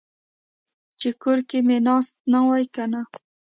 چې کور کې مې ناست نه وای کنه.